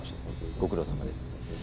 ご苦労さまです。